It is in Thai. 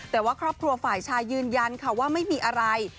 แต่ว่าครอบครัวฝ่ายชายยืนยันค่ะว่าไม่มีอะไร